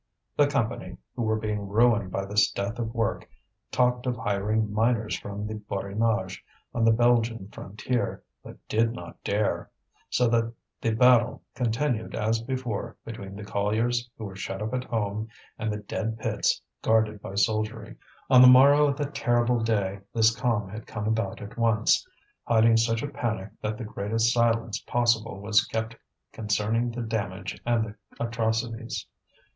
The Company, who were being ruined by this death of work, talked of hiring miners from the Borinage, on the Belgian frontier, but did not dare; so that the battle continued as before between the colliers, who were shut up at home, and the dead pits guarded by soldiery. On the morrow of that terrible day this calm had come about at once, hiding such a panic that the greatest silence possible was kept concerning the damage and the atrocities.